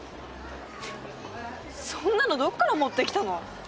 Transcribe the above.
そんなのどこから持ってきたの？